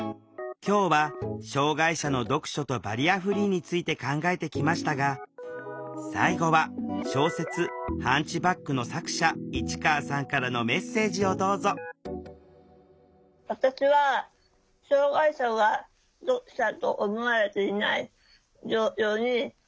今日は障害者の読書とバリアフリーについて考えてきましたが最後は小説「ハンチバック」の作者市川さんからのメッセージをどうぞはいありがとうございました。